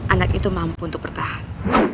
anak itu mampu untuk bertahan